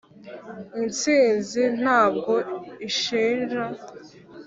intsinzi ntabwo ishinja.